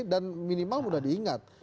dan minimal mudah diingat